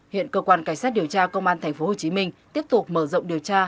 hiện cơ quan cảnh sát điều tra công an tp hcm tiếp tục mở rộng điều tra